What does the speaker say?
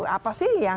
apa sih yang